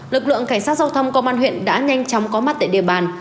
lực lượng cảnh sát giao thông công an huyện đã nhanh chóng có mặt tại địa bàn